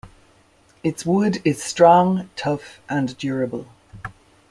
Its wood is strong, tough and durable.